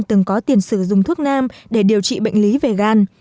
từng có tiền sử dụng thuốc nam để điều trị bệnh lý về gan